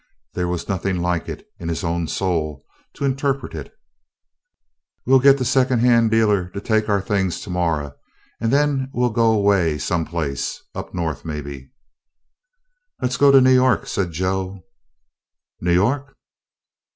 There was nothing like it in his own soul to interpret it. "We 'll git de secon' han' dealah to tek ouah things to morrer, an' then we 'll go away some place, up No'th maybe." "Let 's go to New York," said Joe. "New Yo'k?"